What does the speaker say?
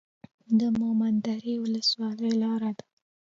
د مومند درې ولسوالۍ لاره ده